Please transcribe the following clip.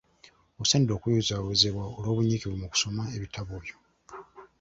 Osaanidde okuyozaayozebwa olw’obunyiikivu mu kusoma ebitabo byo.